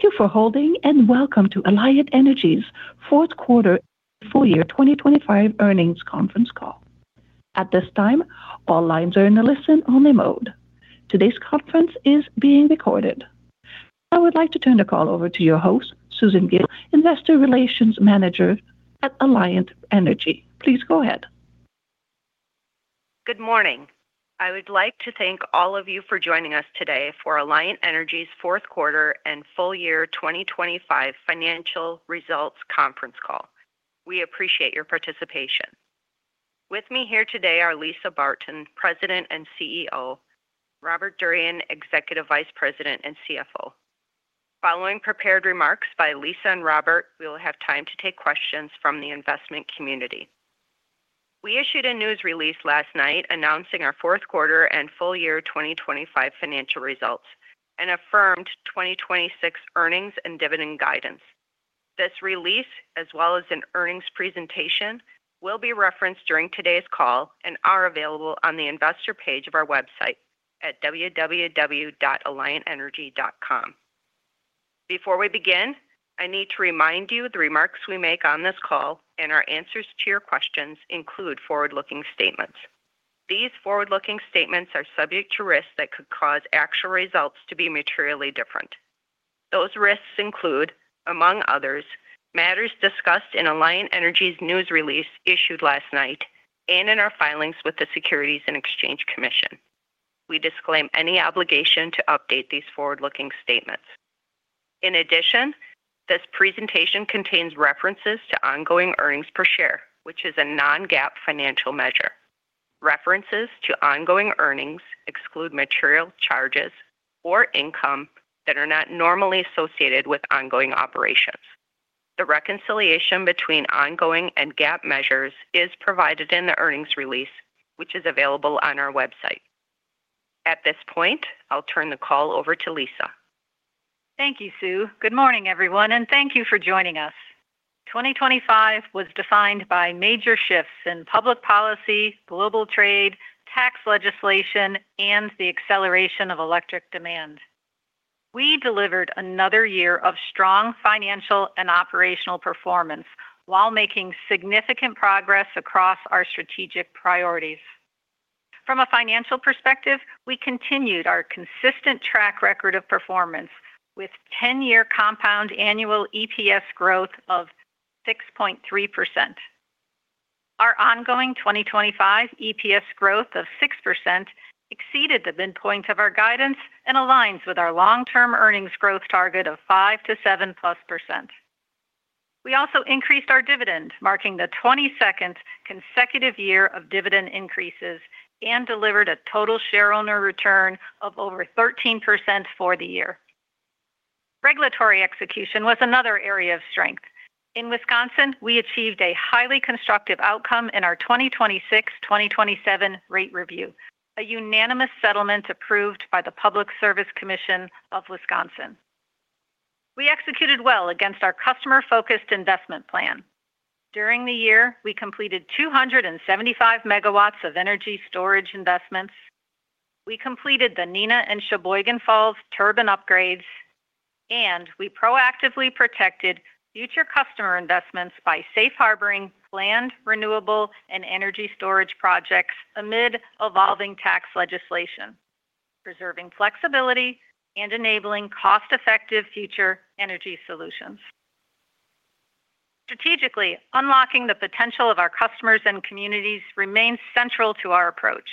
Thank you for holding, and welcome to Alliant Energy's fourth quarter full year 2025 earnings conference call. At this time, all lines are in a listen-only mode. Today's conference is being recorded. I would like to turn the call over to your host, Susan Gille, Investor Relations Manager at Alliant Energy. Please go ahead. Good morning! I would like to thank all of you for joining us today for Alliant Energy's fourth quarter and full year 2025 financial results conference call. We appreciate your participation. With me here today are Lisa Barton, President and CEO. Robert Durian, Executive Vice President and CFO. Following prepared remarks by Lisa and Robert, we will have time to take questions from the investment community. We issued a news release last night announcing our fourth quarter and full year 2025 financial results, and affirmed 2026 earnings and dividend guidance. This release, as well as an earnings presentation, will be referenced during today's call and are available on the investor page of our website at www.alliantenergy.com. Before we begin, I need to remind you the remarks we make on this call and our answers to your questions include forward-looking statements. These forward-looking statements are subject to risks that could cause actual results to be materially different. Those risks include, among others, matters discussed in Alliant Energy's news release issued last night and in our filings with the Securities and Exchange Commission. We disclaim any obligation to update these forward-looking statements. In addition, this presentation contains references to ongoing earnings per share, which is a non-GAAP financial measure. References to ongoing earnings exclude material charges or income that are not normally associated with ongoing operations. The reconciliation between ongoing and GAAP measures is provided in the earnings release, which is available on our website. At this point, I'll turn the call over to Lisa. Thank you, Sue. Good morning, everyone, and thank you for joining us. 2025 was defined by major shifts in public policy, global trade, tax legislation, and the acceleration of electric demand. We delivered another year of strong financial and operational performance while making significant progress across our strategic priorities. From a financial perspective, we continued our consistent track record of performance with 10-year compound annual EPS growth of 6.3%. Our ongoing 2025 EPS growth of 6% exceeded the midpoint of our guidance and aligns with our long-term earnings growth target of 5%-7%+. We also increased our dividend, marking the 22nd consecutive year of dividend increases and delivered a total shareowner return of over 13% for the year. Regulatory execution was another area of strength. In Wisconsin, we achieved a highly constructive outcome in our 2026/2027 rate review, a unanimous settlement approved by the Public Service Commission of Wisconsin. We executed well against our customer-focused investment plan. During the year, we completed 275 MW of energy storage investments. We completed the Neenah and Sheboygan Falls turbine upgrades, and we proactively protected future customer investments by safe harboring planned, renewable, and energy storage projects amid evolving tax legislation, preserving flexibility and enabling cost-effective future energy solutions. Strategically, unlocking the potential of our customers and communities remains central to our approach.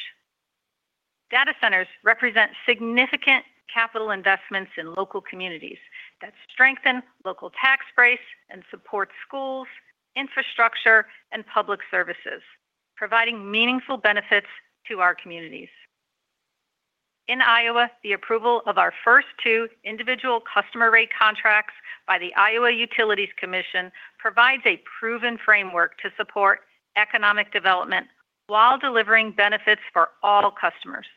Data centers represent significant capital investments in local communities that strengthen local tax base and support schools, infrastructure, and public services, providing meaningful benefits to our communities. In Iowa, the approval of our first two individual customer rate contracts by the Iowa Utilities Commission provides a proven framework to support economic development while delivering benefits for all customers.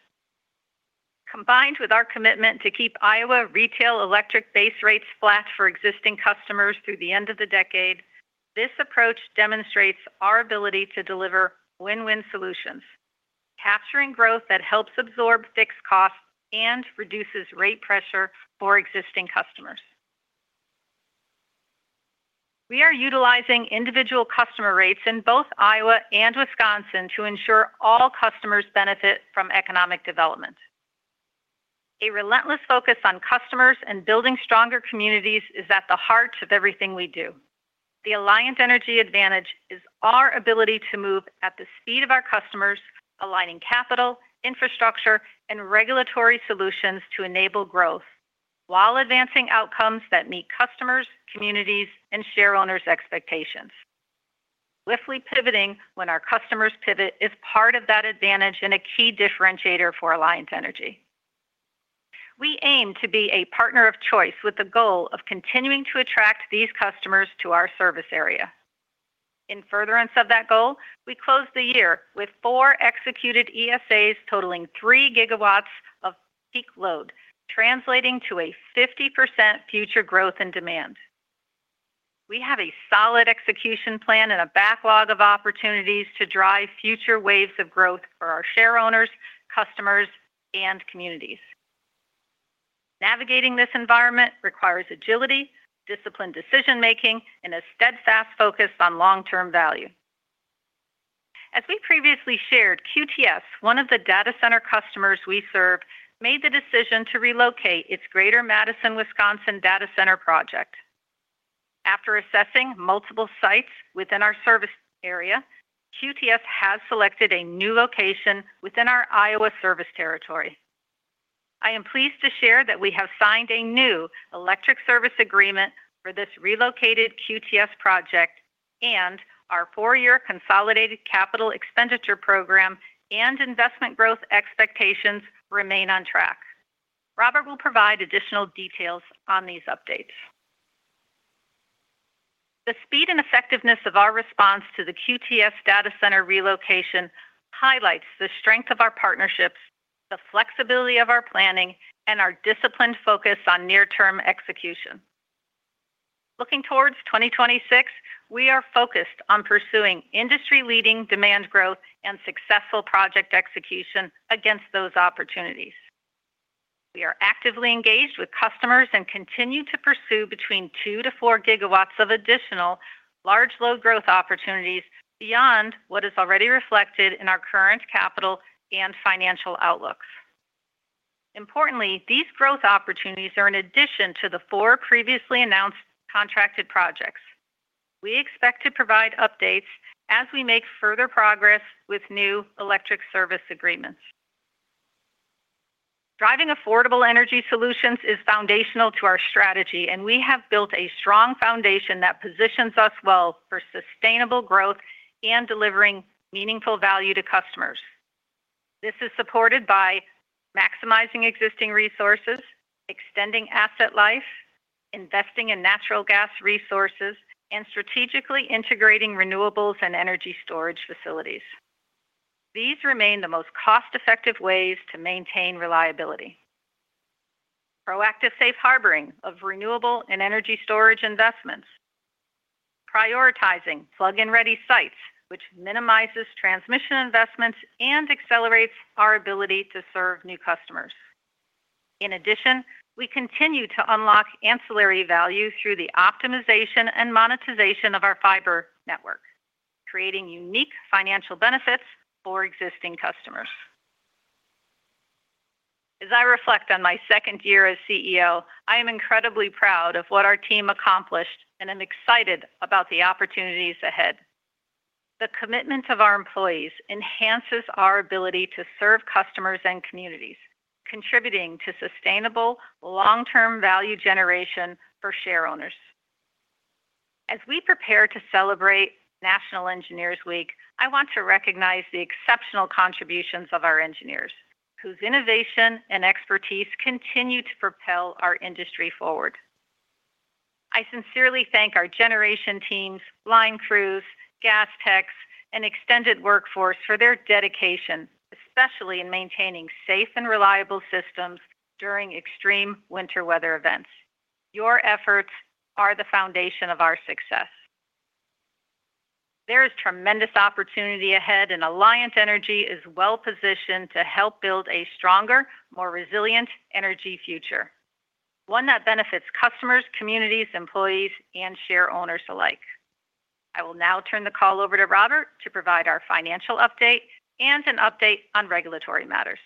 Combined with our commitment to keep Iowa retail electric base rates flat for existing customers through the end of the decade, this approach demonstrates our ability to deliver win-win solutions, capturing growth that helps absorb fixed costs and reduces rate pressure for existing customers. We are utilizing individual customer rates in both Iowa and Wisconsin to ensure all customers benefit from economic development. A relentless focus on customers and building stronger communities is at the heart of everything we do. The Alliant Energy advantage is our ability to move at the speed of our customers, aligning capital, infrastructure, and regulatory solutions to enable growth while advancing outcomes that meet customers, communities, and shareowners' expectations. Swiftly pivoting when our customers pivot is part of that advantage and a key differentiator for Alliant Energy. We aim to be a partner of choice with the goal of continuing to attract these customers to our service area. In furtherance of that goal, we closed the year with four executed ESAs, totaling 3 GW of peak load, translating to a 50% future growth in demand. We have a solid execution plan and a backlog of opportunities to drive future waves of growth for our shareowners, customers, and communities. Navigating this environment requires agility, disciplined decision-making, and a steadfast focus on long-term value. As we previously shared, QTS, one of the data center customers we serve, made the decision to relocate its greater Madison, Wisconsin, data center project. After assessing multiple sites within our service area, QTS has selected a new location within our Iowa service territory. I am pleased to share that we have signed a new electric service agreement for this relocated QTS project, and our four-year consolidated capital expenditure program and investment growth expectations remain on track. Robert will provide additional details on these updates. The speed and effectiveness of our response to the QTS data center relocation highlights the strength of our partnerships, the flexibility of our planning, and our disciplined focus on near-term execution. Looking towards 2026, we are focused on pursuing industry-leading demand growth and successful project execution against those opportunities. We are actively engaged with customers and continue to pursue between 2-4 gigawatts of additional large load growth opportunities beyond what is already reflected in our current capital and financial outlooks. Importantly, these growth opportunities are in addition to the 4 previously announced contracted projects. We expect to provide updates as we make further progress with new electric service agreements. Driving affordable energy solutions is foundational to our strategy, and we have built a strong foundation that positions us well for sustainable growth and delivering meaningful value to customers. This is supported by maximizing existing resources, extending asset life, investing in natural gas resources, and strategically integrating renewables and energy storage facilities. These remain the most cost-effective ways to maintain reliability. Proactive safe harboring of renewable and energy storage investments, prioritizing plug-in ready sites, which minimizes transmission investments and accelerates our ability to serve new customers. In addition, we continue to unlock ancillary value through the optimization and monetization of our fiber network, creating unique financial benefits for existing customers. As I reflect on my second year as CEO, I am incredibly proud of what our team accomplished, and I'm excited about the opportunities ahead. The commitment of our employees enhances our ability to serve customers and communities, contributing to sustainable, long-term value generation for shareowners. As we prepare to celebrate National Engineers Week, I want to recognize the exceptional contributions of our engineers, whose innovation and expertise continue to propel our industry forward. I sincerely thank our generation teams, line crews, gas techs, and extended workforce for their dedication, especially in maintaining safe and reliable systems during extreme winter weather events. Your efforts are the foundation of our success. There is tremendous opportunity ahead, and Alliant Energy is well-positioned to help build a stronger, more resilient energy future, one that benefits customers, communities, employees, and shareowners alike. I will now turn the call over to Robert to provide our financial update and an update on regulatory matters.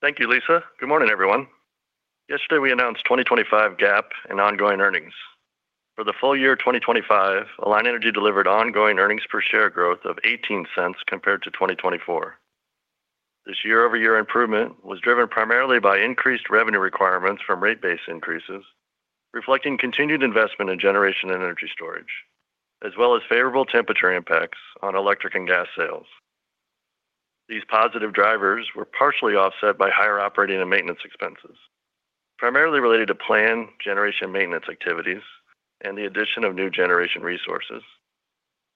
Thank you, Lisa. Good morning, everyone. Yesterday, we announced 2025 GAAP and ongoing earnings. For the full year 2025, Alliant Energy delivered ongoing earnings per share growth of $0.18 compared to 2024. This year-over-year improvement was driven primarily by increased revenue requirements from rate-based increases, reflecting continued investment in generation and energy storage, as well as favorable temperature impacts on electric and gas sales. These positive drivers were partially offset by higher operating and maintenance expenses, primarily related to planned generation maintenance activities and the addition of new generation resources,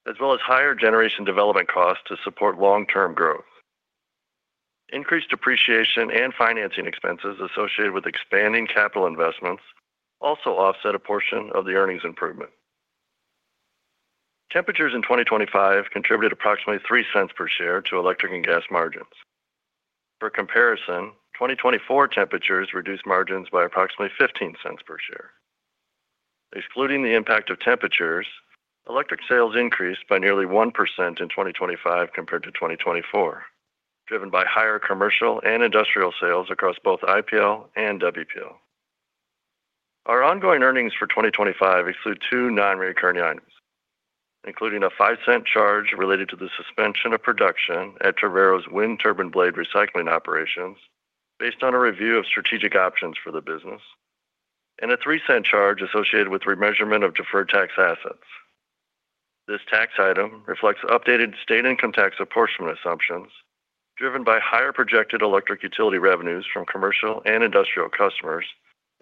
as well as higher generation development costs to support long-term growth. Increased depreciation and financing expenses associated with expanding capital investments also offset a portion of the earnings improvement. Temperatures in 2025 contributed approximately $0.03 per share to electric and gas margins. For comparison, 2024 temperatures reduced margins by approximately $0.15 per share. Excluding the impact of temperatures, electric sales increased by nearly 1% in 2025 compared to 2024, driven by higher commercial and industrial sales across both IPL and WPL. Our ongoing earnings for 2025 exclude two non-recurring items, including a $0.05 charge related to the suspension of production at Travero's wind turbine blade recycling operations based on a review of strategic options for the business, and a $0.03 charge associated with remeasurement of deferred tax assets. This tax item reflects updated state income tax apportionment assumptions, driven by higher projected electric utility revenues from commercial and industrial customers,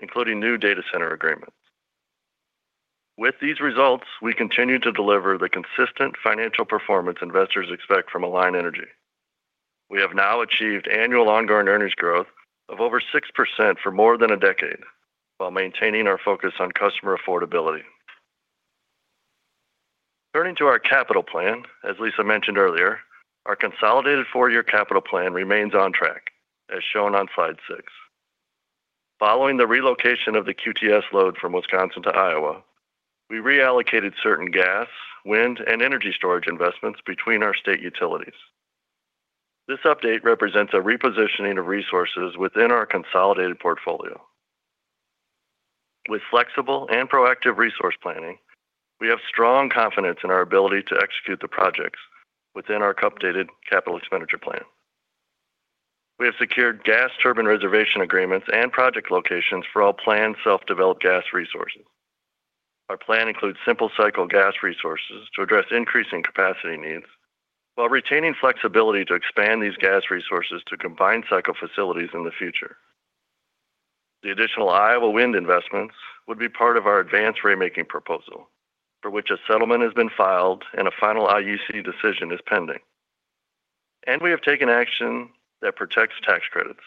including new data center agreements. With these results, we continue to deliver the consistent financial performance investors expect from Alliant Energy. We have now achieved annual ongoing earnings growth of over 6% for more than a decade, while maintaining our focus on customer affordability. Turning to our capital plan, as Lisa mentioned earlier, our consolidated four-year capital plan remains on track, as shown on slide 6. Following the relocation of the QTS load from Wisconsin to Iowa, we reallocated certain gas, wind, and energy storage investments between our state utilities. This update represents a repositioning of resources within our consolidated portfolio. With flexible and proactive resource planning, we have strong confidence in our ability to execute the projects within our updated capital expenditure plan. We have secured gas turbine reservation agreements and project locations for all planned self-developed gas resources. Our plan includes simple cycle gas resources to address increasing capacity needs, while retaining flexibility to expand these gas resources to combined cycle facilities in the future. The additional Iowa wind investments would be part of our advanced rate making proposal, for which a settlement has been filed and a final IUC decision is pending. We have taken action that protects tax credits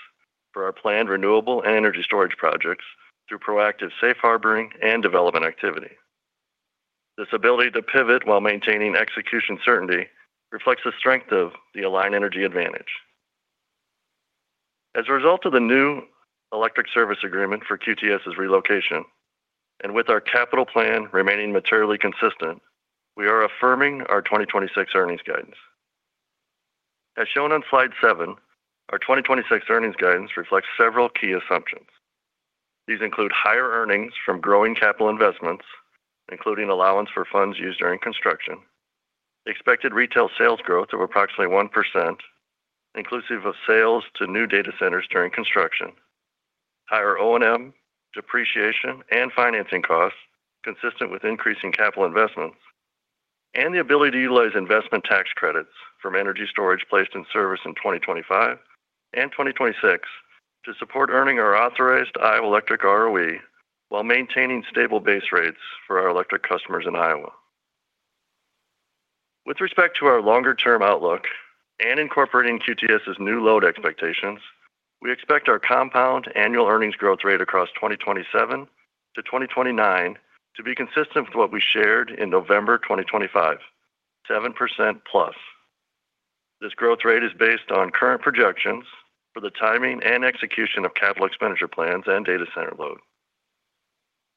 for our planned renewable and energy storage projects through proactive safe harboring and development activity. This ability to pivot while maintaining execution certainty reflects the strength of the Alliant Energy advantage. As a result of the new electric service agreement for QTS's relocation, and with our capital plan remaining materially consistent, we are affirming our 2026 earnings guidance. As shown on slide 7, our 2026 earnings guidance reflects several key assumptions. These include higher earnings from growing capital investments, including allowance for funds used during construction, expected retail sales growth of approximately 1%, inclusive of sales to new data centers during construction, higher O&M, depreciation, and financing costs, consistent with increasing capital investments, and the ability to utilize investment tax credits from energy storage placed in service in 2025 and 2026 to support earning our authorized Iowa Electric ROE while maintaining stable base rates for our electric customers in Iowa. With respect to our longer-term outlook and incorporating QTS's new load expectations, we expect our compound annual earnings growth rate across 2027-2029 to be consistent with what we shared in November 2025, 7%+. This growth rate is based on current projections for the timing and execution of capital expenditure plans and data center load.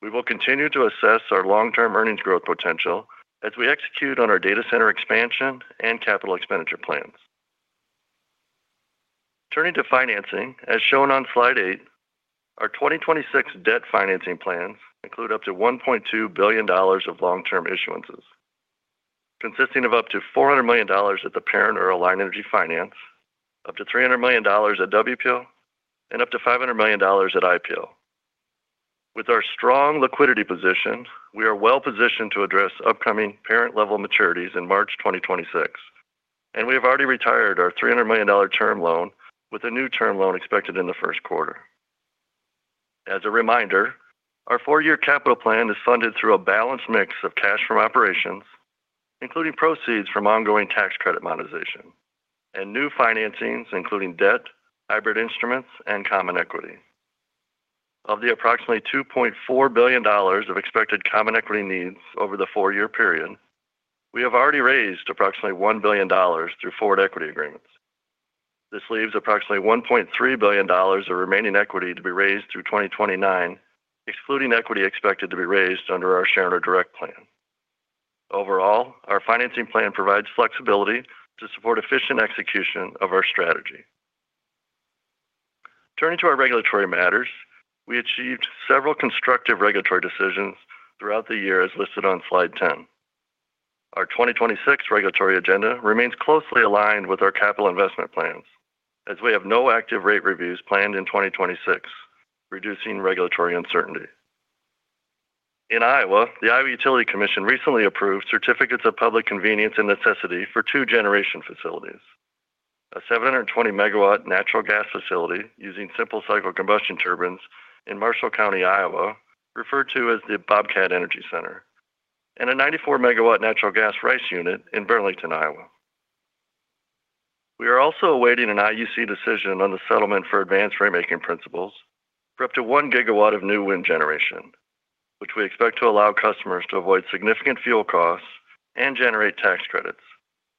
We will continue to assess our long-term earnings growth potential as we execute on our data center expansion and capital expenditure plans. Turning to financing, as shown on slide 8, our 2026 debt financing plans include up to $1.2 billion of long-term issuances, consisting of up to $400 million at the parent or Alliant Energy Finance, up to $300 million at WPL, and up to $500 million at IPL. With our strong liquidity position, we are well-positioned to address upcoming parent-level maturities in March 2026, and we have already retired our $300 million term loan, with a new term loan expected in the first quarter. As a reminder, our four-year capital plan is funded through a balanced mix of cash from operations, including proceeds from ongoing tax credit monetization and new financings, including debt, hybrid instruments, and common equity. Of the approximately $2.4 billion of expected common equity needs over the four-year period, we have already raised approximately $1 billion through forward equity agreements. This leaves approximately $1.3 billion of remaining equity to be raised through 2029, excluding equity expected to be raised under our shareholder direct plan. Overall, our financing plan provides flexibility to support efficient execution of our strategy. Turning to our regulatory matters, we achieved several constructive regulatory decisions throughout the year, as listed on slide 10. Our 2026 regulatory agenda remains closely aligned with our capital investment plans, as we have no active rate reviews planned in 2026, reducing regulatory uncertainty. In Iowa, the Iowa Utilities Commission recently approved certificates of public convenience and necessity for two generation facilities: a 720-megawatt natural gas facility using simple cycle combustion turbines in Marshall County, Iowa, referred to as the Bobcat Energy Center, and a 94-megawatt natural gas RICE unit in Burlington, Iowa. We are also awaiting an IUC decision on the settlement for advanced ratemaking principles for up to 1 gigawatt of new wind generation, which we expect to allow customers to avoid significant fuel costs and generate tax credits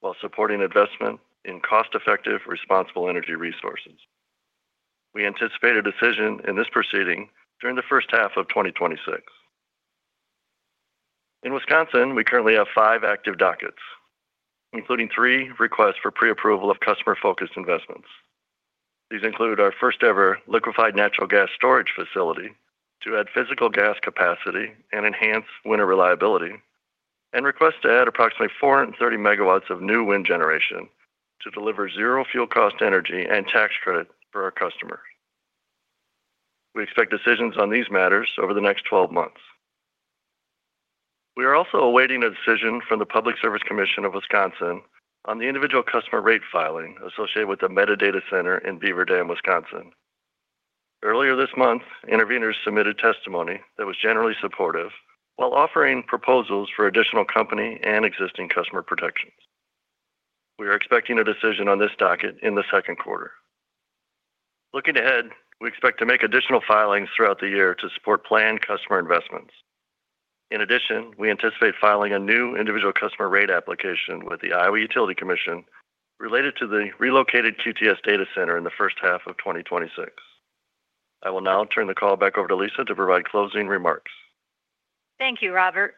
while supporting investment in cost-effective, responsible energy resources. We anticipate a decision in this proceeding during the first half of 2026. In Wisconsin, we currently have five active dockets, including three requests for pre-approval of customer-focused investments. These include our first-ever liquefied natural gas storage facility to add physical gas capacity and enhance winter reliability, and request to add approximately 430 megawatts of new wind generation to deliver zero fuel cost energy and tax credit for our customers. We expect decisions on these matters over the next 12 months. We are also awaiting a decision from the Public Service Commission of Wisconsin on the individual customer rate filing associated with the Meta data center in Beaver Dam, Wisconsin. Earlier this month, intervenors submitted testimony that was generally supportive, while offering proposals for additional company and existing customer protections. We are expecting a decision on this docket in the second quarter. Looking ahead, we expect to make additional filings throughout the year to support planned customer investments. In addition, we anticipate filing a new individual customer rate application with the Iowa Utilities Commission related to the relocated QTS data center in the first half of 2026. I will now turn the call back over to Lisa to provide closing remarks. Thank you, Robert.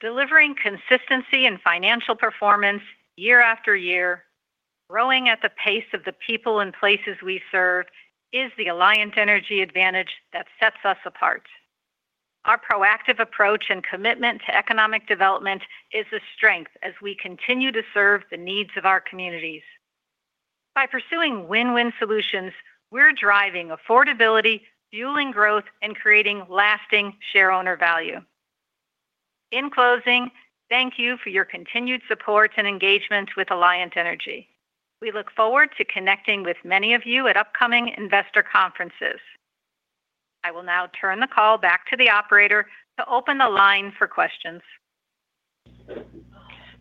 Delivering consistency and financial performance year after year, growing at the pace of the people and places we serve, is the Alliant Energy advantage that sets us apart. Our proactive approach and commitment to economic development is a strength as we continue to serve the needs of our communities. By pursuing win-win solutions, we're driving affordability, fueling growth, and creating lasting shareowner value. In closing, thank you for your continued support and engagement with Alliant Energy. We look forward to connecting with many of you at upcoming investor conferences. I will now turn the call back to the operator to open the line for questions.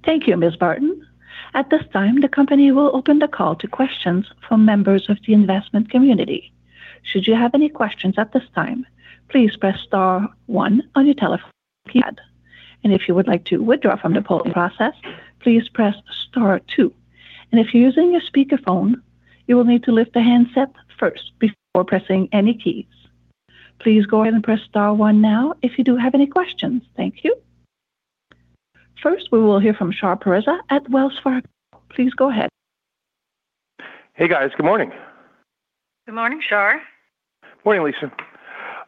Thank you, Ms. Barton. At this time, the company will open the call to questions from members of the investment community. Should you have any questions at this time, please press star one on your telephone keypad. If you would like to withdraw from the polling process, please press star two. If you're using a speakerphone, you will need to lift the handset first before pressing any keys. Please go ahead and press star one now if you do have any questions. Thank you. First, we will hear from Shar Pourreza at Wells Fargo. Please go ahead. Hey, guys. Good morning. Good morning, Shar. Morning, Lisa.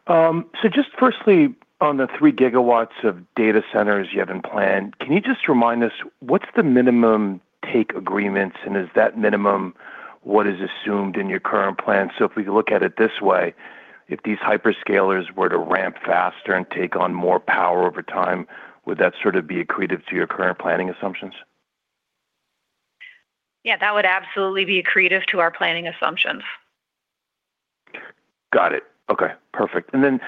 So just firstly, on the 3 GW of data centers you have in plan, can you just remind us, what's the minimum take agreements, and is that minimum what is assumed in your current plan? So if we look at it this way, if these hyperscalers were to ramp faster and take on more power over time, would that sort of be accretive to your current planning assumptions? Yeah, that would absolutely be accretive to our planning assumptions. Got it. Okay, perfect. And then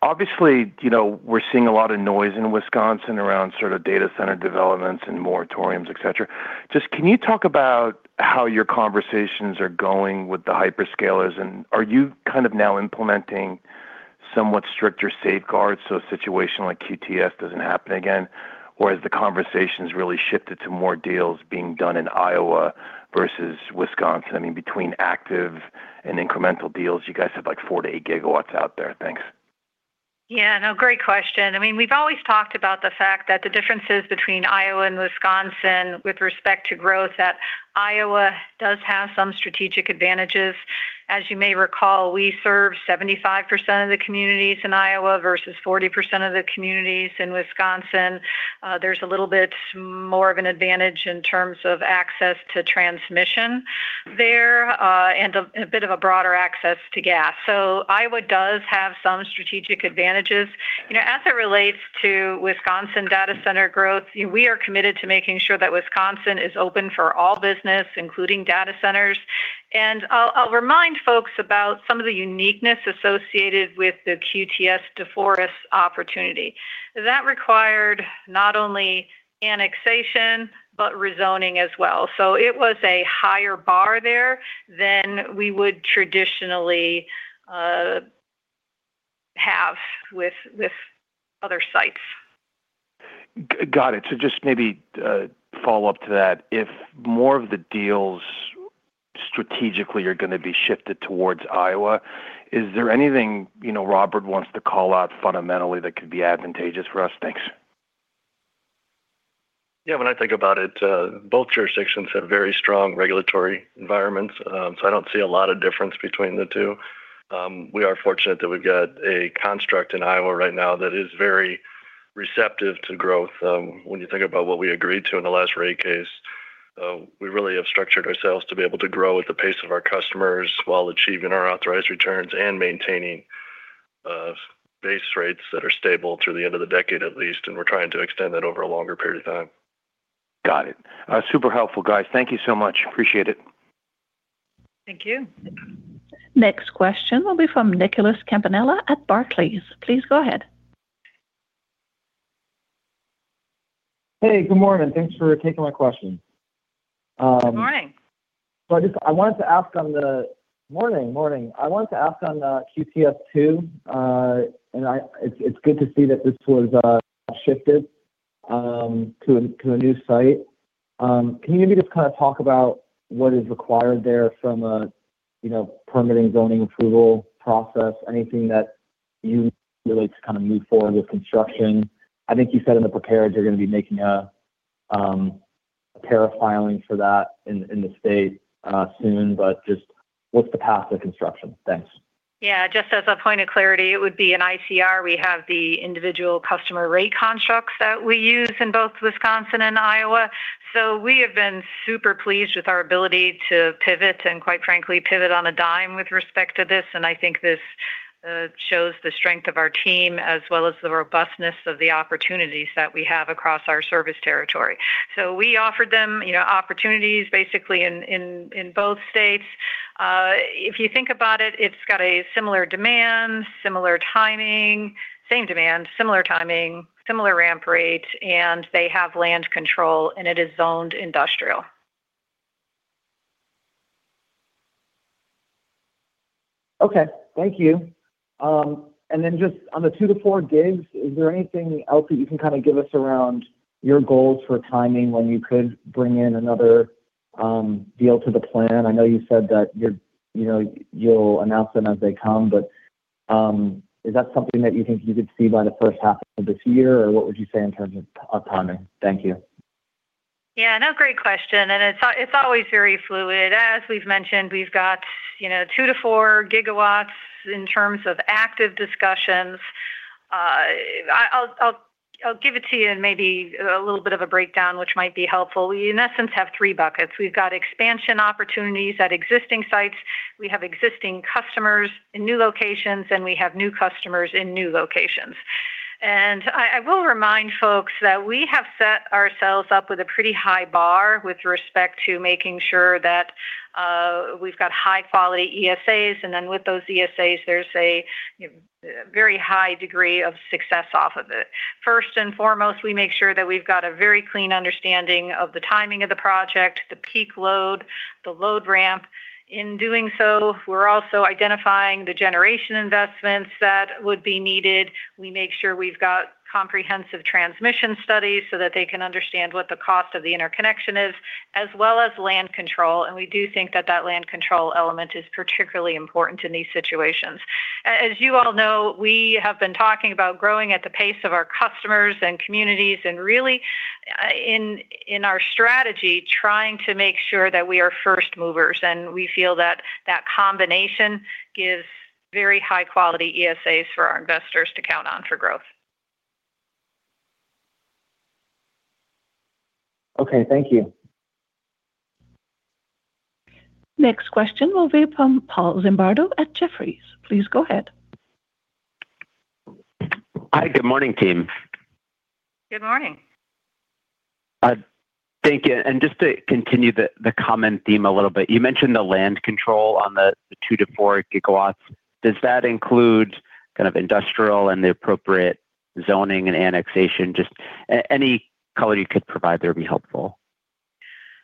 obviously, you know, we're seeing a lot of noise in Wisconsin around sort of data center developments and moratoriums, et cetera. Just can you talk about how your conversations are going with the hyperscalers? And are you kind of now implementing somewhat stricter safeguards so a situation like QTS doesn't happen again? Or has the conversations really shifted to more deals being done in Iowa versus Wisconsin? I mean, between active and incremental deals, you guys have, like, 4-8 GW out there. Thanks. Yeah, no, great question. I mean, we've always talked about the fact that the differences between Iowa and Wisconsin with respect to growth, that Iowa does have some strategic advantages. As you may recall, we serve 75% of the communities in Iowa versus 40% of the communities in Wisconsin. There's a little bit more of an advantage in terms of access to transmission there, and a bit of a broader access to gas. So Iowa does have some strategic advantages. You know, as it relates to Wisconsin data center growth, we are committed to making sure that Wisconsin is open for all business, including data centers. And I'll, I'll remind folks about some of the uniqueness associated with the QTS DeForest opportunity. That required not only annexation, but rezoning as well. So it was a higher bar there than we would traditionally have with other sites. Got it. So just maybe, follow up to that, if more of the deals strategically are gonna be shifted towards Iowa, is there anything, you know, Robert wants to call out fundamentally that could be advantageous for us? Thanks. Yeah, when I think about it, both jurisdictions have very strong regulatory environments, so I don't see a lot of difference between the two. We are fortunate that we've got a construct in Iowa right now that is very receptive to growth. When you think about what we agreed to in the last rate case, we really have structured ourselves to be able to grow at the pace of our customers while achieving our authorized returns and maintaining base rates that are stable through the end of the decade at least, and we're trying to extend that over a longer period of time. Got it. Super helpful, guys. Thank you so much. Appreciate it. Thank you. Next question will be from Nicholas Campanella at Barclays. Please go ahead. Hey, good morning. Thanks for taking my question. Good morning. Morning, morning. I wanted to ask on the QTS, too. And it's good to see that this was shifted to a new site. Can you maybe just kind of talk about what is required there from a, you know, permitting, zoning approval process, anything that you relate to kind of move forward with construction? I think you said in the prepared you're gonna be making a tariff filing for that in the state soon, but just what's the path to construction? Thanks. Yeah, just as a point of clarity, it would be an ICR. We have the individual customer rate constructs that we use in both Wisconsin and Iowa. So we have been super pleased with our ability to pivot, and quite frankly, pivot on a dime with respect to this. And I think this shows the strength of our team, as well as the robustness of the opportunities that we have across our service territory. So we offered them, you know, opportunities basically in both states. If you think about it, it's got a similar demand, similar timing, same demand, similar timing, similar ramp rates, and they have land control, and it is zoned industrial. Okay, thank you. And then just on the 2-4 gigs, is there anything else that you can kind of give us around your goals for timing when you could bring in another deal to the plan? I know you said that you're, you know, you'll announce them as they come, but is that something that you think you could see by the first half of this year? Or what would you say in terms of timing? Thank you. Yeah, no, great question, and it's always very fluid. As we've mentioned, we've got, you know, 2-4 GW in terms of active discussions. I'll give it to you in maybe a little bit of a breakdown, which might be helpful. We, in essence, have three buckets. We've got expansion opportunities at existing sites, we have existing customers in new locations, and we have new customers in new locations. And I will remind folks that we have set ourselves up with a pretty high bar with respect to making sure that we've got high-quality ESAs, and then with those ESAs, there's a very high degree of success off of it. First and foremost, we make sure that we've got a very clean understanding of the timing of the project, the peak load, the load ramp. In doing so, we're also identifying the generation investments that would be needed. We make sure we've got comprehensive transmission studies, so that they can understand what the cost of the interconnection is, as well as land control, and we do think that that land control element is particularly important in these situations. As you all know, we have been talking about growing at the pace of our customers and communities, and really, in our strategy, trying to make sure that we are first movers. And we feel that that combination gives very high-quality ESAs for our investors to count on for growth. Okay, thank you. Next question will be from Paul Zimbardo at Jefferies. Please go ahead. Hi, good morning, team. Good morning. Thank you, and just to continue the comment theme a little bit, you mentioned the land control on the 2-4 gigawatts. Does that include kind of industrial and the appropriate zoning and annexation? Just any color you could provide there would be helpful.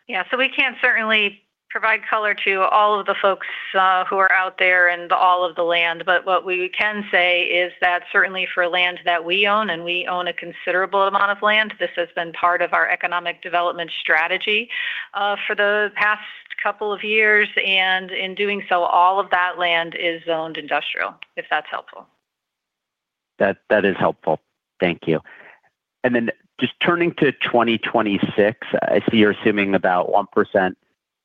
Yeah, so we can't certainly provide color to all of the folks who are out there and all of the land, but what we can say is that certainly for land that we own, and we own a considerable amount of land, this has been part of our economic development strategy for the past couple of years, and in doing so, all of that land is zoned industrial, if that's helpful. That, that is helpful. Thank you. And then just turning to 2026, I see you're assuming about 1%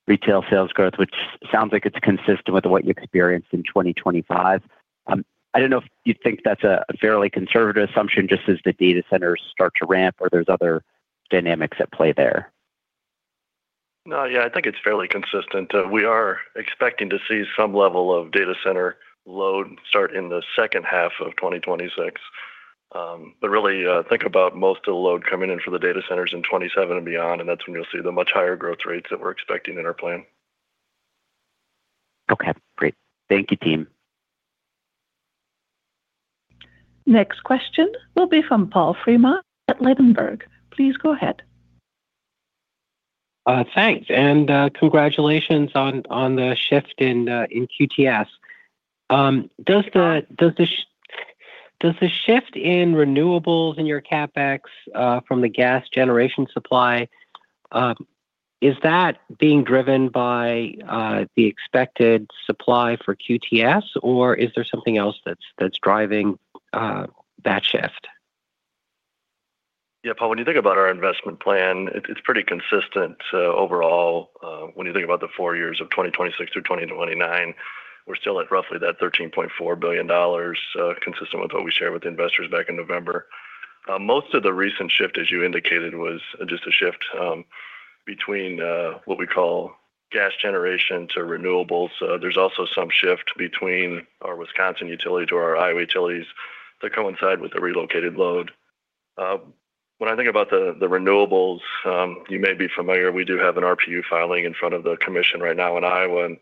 retail sales growth, which sounds like it's consistent with what you experienced in 2025. I don't know if you think that's a fairly conservative assumption, just as the data centers start to ramp or there's other dynamics at play there? No, yeah, I think it's fairly consistent. We are expecting to see some level of data center load start in the second half of 2026. But really, think about most of the load coming in for the data centers in 2027 and beyond, and that's when you'll see the much higher growth rates that we're expecting in our plan. Okay, great. Thank you, team. Next question will be from Paul Fremont at Ladenburg. Please go ahead. Thanks, and congratulations on the shift in QTS. Does the- Yeah. Does the shift in renewables in your CapEx from the gas generation supply is that being driven by the expected supply for QTS, or is there something else that's driving that shift? Yeah, Paul, when you think about our investment plan, it's pretty consistent overall. When you think about the four years of 2026 through 2029, we're still at roughly that $13.4 billion, consistent with what we shared with investors back in November. Most of the recent shift, as you indicated, was just a shift between what we call gas generation to renewables. There's also some shift between our Wisconsin utility to our Iowa utilities that coincide with the relocated load. When I think about the renewables, you may be familiar, we do have an RPU filing in front of the commission right now in Iowa, and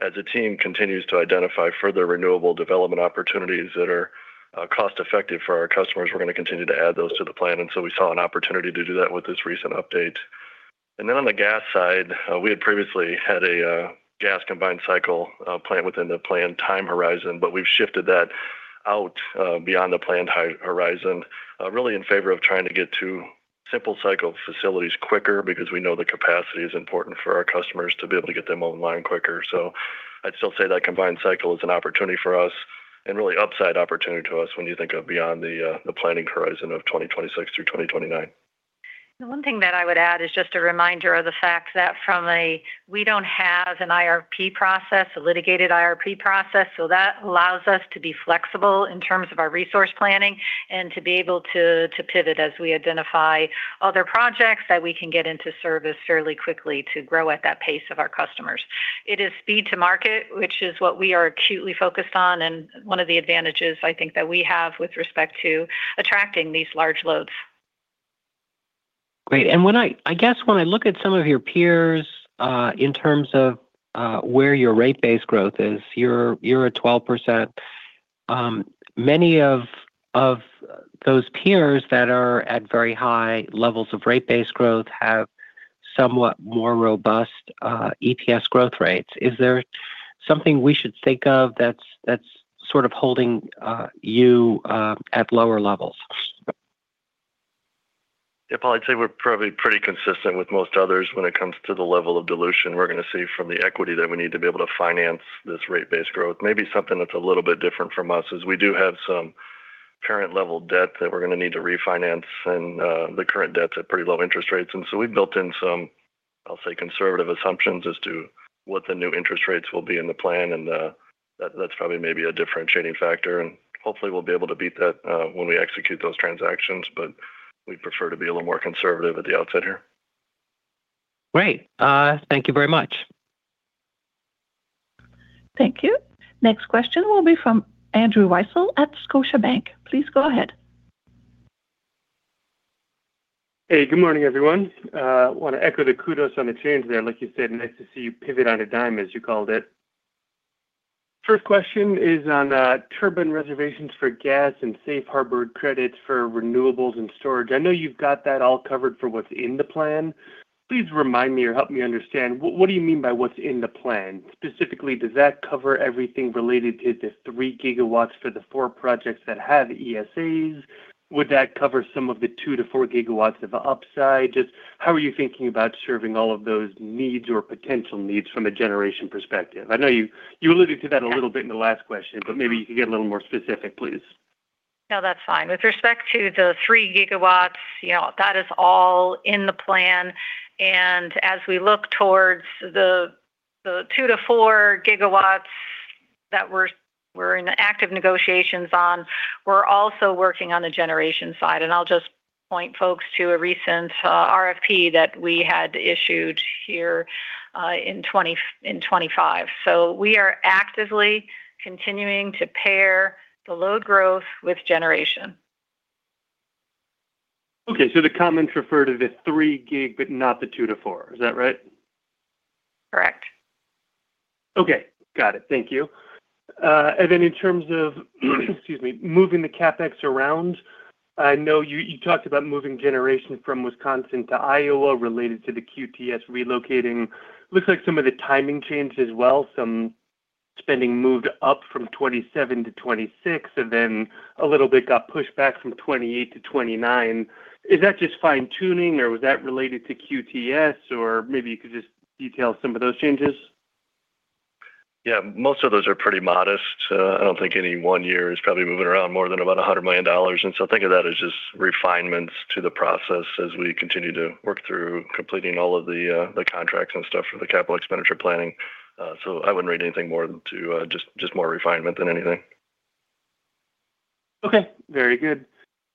as the team continues to identify further renewable development opportunities that are cost-effective for our customers, we're gonna continue to add those to the plan. And so we saw an opportunity to do that with this recent update. And then on the gas side, we had previously had a gas combined cycle plant within the planned time horizon, but we've shifted that out beyond the planned horizon. Really in favor of trying to get to simple cycle facilities quicker because we know the capacity is important for our customers to be able to get them online quicker. So I'd still say that combined cycle is an opportunity for us and really upside opportunity to us when you think of beyond the planning horizon of 2026 through 2029. The one thing that I would add is just a reminder of the fact that we don't have an IRP process, a litigated IRP process, so that allows us to be flexible in terms of our resource planning and to be able to, to pivot as we identify other projects that we can get into service fairly quickly to grow at that pace of our customers. It is speed to market, which is what we are acutely focused on, and one of the advantages I think that we have with respect to attracting these large loads. Great, and when I guess when I look at some of your peers, in terms of, where your rate-based growth is, you're at 12%. Many of those peers that are at very high levels of rate-based growth have somewhat more robust, EPS growth rates. Is there something we should think of that's, that's sort of holding, you, at lower levels? Yeah, Paul, I'd say we're probably pretty consistent with most others when it comes to the level of dilution we're going to see from the equity that we need to be able to finance this rate-based growth. Maybe something that's a little bit different from us is we do have some current level debt that we're going to need to refinance, and the current debt's at pretty low interest rates. And so we've built in some, I'll say, conservative assumptions as to what the new interest rates will be in the plan, and that, that's probably maybe a differentiating factor, and hopefully we'll be able to beat that when we execute those transactions. But we prefer to be a little more conservative at the outset here. Great. Thank you very much. Thank you. Next question will be from Andrew Weisel at Scotiabank. Please go ahead. Hey, good morning, everyone. I want to echo the kudos on the change there. Like you said, nice to see you pivot on a dime, as you called it. First question is on turbine reservations for gas and safe harbor credits for renewables and storage. I know you've got that all covered for what's in the plan. Please remind me or help me understand, what, what do you mean by what's in the plan? Specifically, does that cover everything related to the 3 gigawatts for the 4 projects that have ESAs? Would that cover some of the 2-4 gigawatts of upside? Just how are you thinking about serving all of those needs or potential needs from a generation perspective? I know you alluded to that a little bit in the last question, but maybe you could get a little more specific, please. No, that's fine. With respect to the 3 gigawatts, you know, that is all in the plan, and as we look towards the 2-4 gigawatts that we're in active negotiations on, we're also working on the generation side. And I'll just point folks to a recent RFP that we had issued here in 2025. So we are actively continuing to pair the load growth with generation. Okay, so the comments refer to the 3 gig, but not the 2-4. Is that right? Correct. Okay, got it. Thank you. And then in terms of, excuse me, moving the CapEx around, I know you, you talked about moving generation from Wisconsin to Iowa related to the QTS relocating. Looks like some of the timing changed as well. Some spending moved up from 2027 to 2026, and then a little bit got pushed back from 2028 to 2029. Is that just fine-tuning, or was that related to QTS, or maybe you could just detail some of those changes? Yeah, most of those are pretty modest. I don't think any one year is probably moving around more than about $100 million, and so think of that as just refinements to the process as we continue to work through completing all of the, the contracts and stuff for the capital expenditure planning. So I wouldn't read anything more to, just more refinement than anything. Okay. Very good.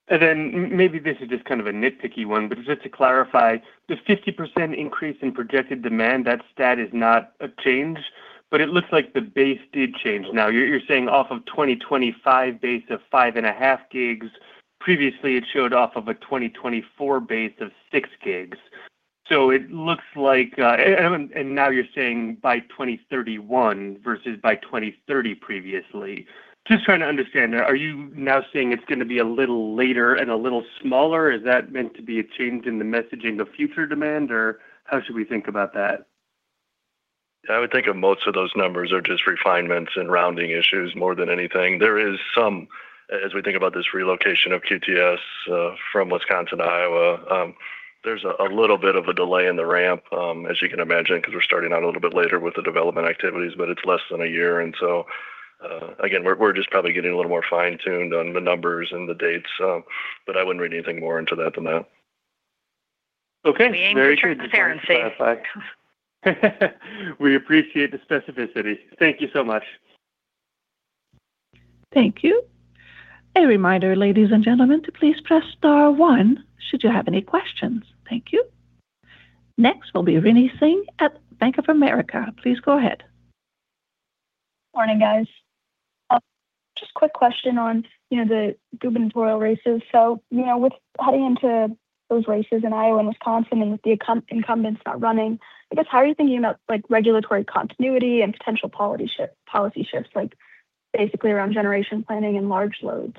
And then maybe this is just kind of a nitpicky one, but just to clarify, the 50% increase in projected demand, that stat is not a change, but it looks like the base did change. Now, you're, you're saying off of 2025 base of 5.5 gigs. Previously, it showed off of a 2024 base of 6 gigs. So it looks like. And now you're saying by 2031 versus by 2030 previously. Just trying to understand, are you now saying it's going to be a little later and a little smaller? Is that meant to be a change in the messaging of future demand, or how should we think about that? I would think of most of those numbers are just refinements and rounding issues more than anything. There is some, as we think about this relocation of QTS, from Wisconsin to Iowa, there's a little bit of a delay in the ramp, as you can imagine, 'cause we're starting out a little bit later with the development activities, but it's less than a year. And so, again, we're just probably getting a little more fine-tuned on the numbers and the dates, but I wouldn't read anything more into that than that. Okay. Very true. We ensure transparency. We appreciate the specificity. Thank you so much. Thank you. A reminder, ladies and gentlemen, to please press star one should you have any questions. Thank you. Next will be Rinny Singh at Bank of America. Please go ahead. Morning, guys. Just quick question on, you know, the gubernatorial races. So, you know, with heading into those races in Iowa and Wisconsin and with the incumbents not running, I guess, how are you thinking about, like, regulatory continuity and potential policy shift, policy shifts, like, basically around generation planning and large loads?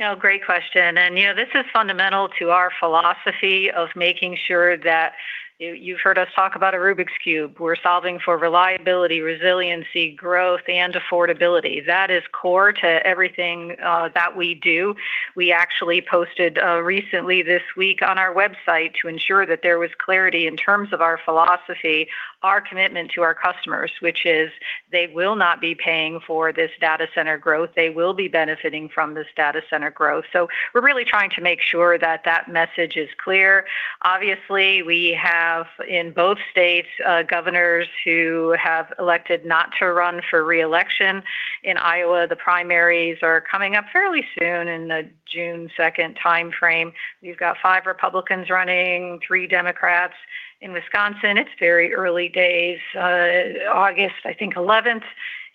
Yeah, great question, and, you know, this is fundamental to our philosophy of making sure that, you, you've heard us talk about a Rubik's Cube. We're solving for reliability, resiliency, growth, and affordability. That is core to everything that we do. We actually posted recently this week on our website to ensure that there was clarity in terms of our philosophy, our commitment to our customers, which is they will not be paying for this data center growth. They will be benefiting from this data center growth. So we're really trying to make sure that that message is clear. Obviously, we have, in both states, governors who have elected not to run for re-election. In Iowa, the primaries are coming up fairly soon in the June second timeframe. You've got five Republicans running, three Democrats. In Wisconsin, it's very early days. August, I think, 11th,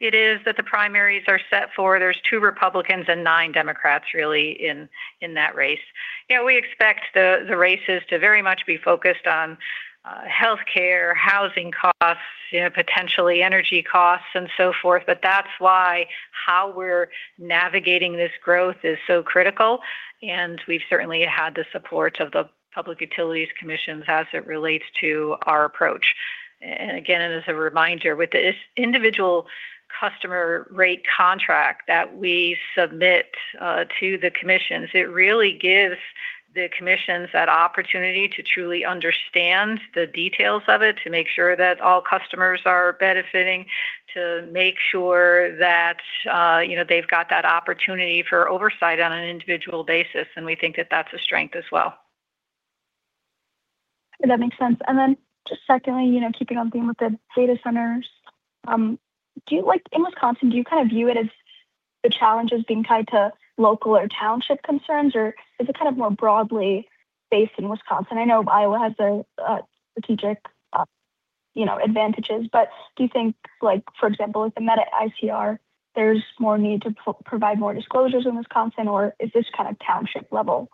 it is that the primaries are set for. There's 2 Republicans and 9 Democrats really in that race. Yeah, we expect the races to very much be focused on healthcare, housing costs, you know, potentially energy costs, and so forth. But that's why how we're navigating this growth is so critical, and we've certainly had the support of the Public Utilities Commissions as it relates to our approach. And again, as a reminder, with the individual customer rate contract that we submit to the commissions, it really gives the commissions that opportunity to truly understand the details of it, to make sure that all customers are benefiting, to make sure that, you know, they've got that opportunity for oversight on an individual basis, and we think that that's a strength as well. That makes sense. And then just secondly, you know, keeping on theme with the data centers, do you in Wisconsin, do you kind of view it as the challenges being tied to local or township concerns, or is it kind of more broadly based in Wisconsin? I know Iowa has a strategic, you know, advantages, but do you think, like, for example, with the Meta ICR, there's more need to provide more disclosures in Wisconsin, or is this kind of township level?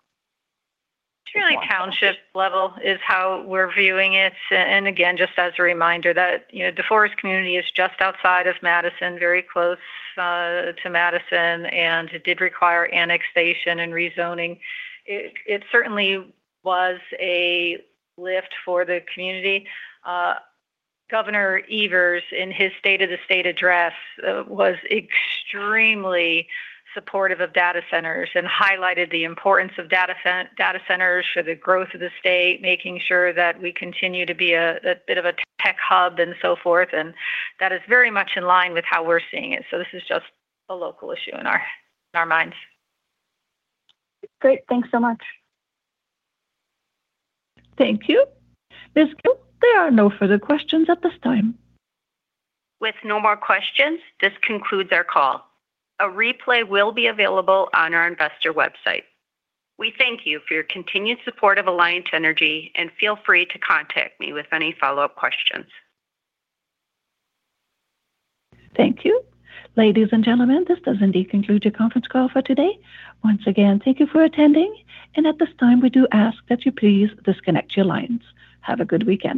It's really township level is how we're viewing it. And again, just as a reminder that, you know, DeForest community is just outside of Madison, very close to Madison, and it did require annexation and rezoning. It certainly was a lift for the community. Governor Evers, in his State of the State address, was extremely supportive of data centers and highlighted the importance of data centers for the growth of the state, making sure that we continue to be a bit of a tech hub and so forth, and that is very much in line with how we're seeing it. So this is just a local issue in our minds. Great. Thanks so much. Thank you. Ms. Cooke, there are no further questions at this time. With no more questions, this concludes our call. A replay will be available on our investor website. We thank you for your continued support of Alliant Energy, and feel free to contact me with any follow-up questions. Thank you. Ladies and gentlemen, this does indeed conclude your conference call for today. Once again, thank you for attending, and at this time, we do ask that you please disconnect your lines. Have a good weekend.